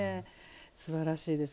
すばらしいです。